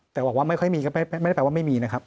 แต่บอกว่าไม่ค่อยมีก็ไม่ได้แปลว่าไม่มีนะครับ